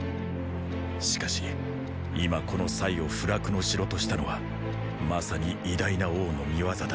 しかし今このを不落の城としたのは正に偉大な王の御業だ。